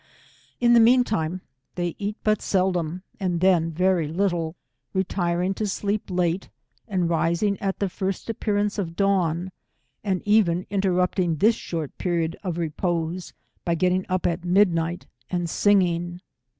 In the mean time, they eat but seldom, and then very little, retiring to sleep late, and rising at the first appear ance of dawn, and even interrupting this short period of repose, by getting up at midnight and singing.